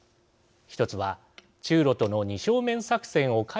一つは中ロとの二正面作戦を回避すること。